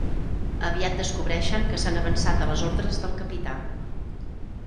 Aviat descobreixen que s'han avançat a les ordres del capità.